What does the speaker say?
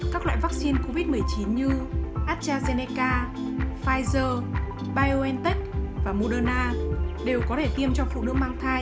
các loại vaccine covid một mươi chín như astrazeneca pfizer biontech và moderna đều có thể tiêm cho phụ nữ mang thai